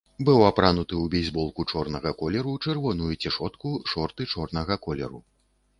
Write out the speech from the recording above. Быў апрануты ў бейсболку чорнага колеру, чырвоную цішотку, шорты чорнага колеру.